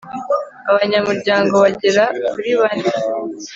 abanyamuryango bagera kuri bane